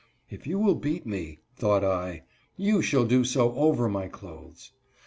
" If you will beat me," thought I, " you shall do so over my clothes."